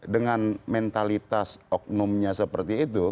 dengan mentalitas oknumnya seperti itu